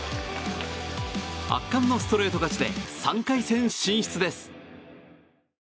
圧巻のストレート勝ちで３回戦進出です。